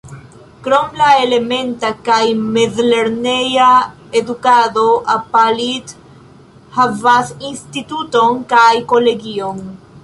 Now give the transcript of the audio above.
Krom la elementa kaj mezlerneja edukado Apalit havas instituton kaj kolegion.